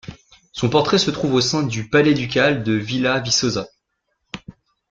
Son portrait se trouve au sein du palais ducal de Vila Viçosa.